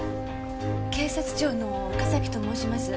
警察庁の岡崎と申します。